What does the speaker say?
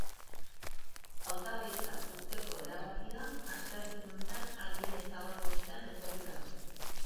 Hautagaitza uzteko erabakia asteazken honetan agiria zabaldu ostean etorri da.